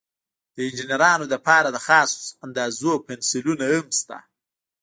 د انجینرانو لپاره د خاصو اندازو پنسلونه هم شته.